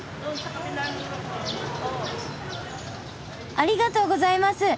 ありがとうございます。